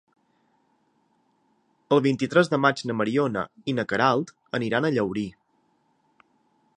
El vint-i-tres de maig na Mariona i na Queralt aniran a Llaurí.